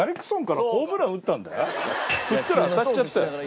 振ったら当たっちゃったよ。